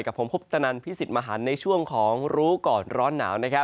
กับผมคุปตนันพิสิทธิ์มหันในช่วงของรู้ก่อนร้อนหนาว